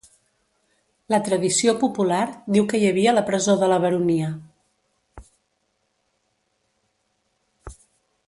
La tradició popular diu que hi havia la presó de la baronia.